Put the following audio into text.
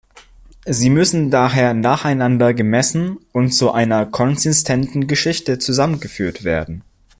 Sie müssen daher nacheinander gemessen und zu einer "konsistenten Geschichte" zusammengeführt werden.